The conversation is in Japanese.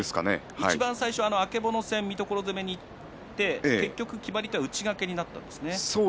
いちばん最初、曙戦三所攻めにいって結局決まり手は内掛けになったんですね。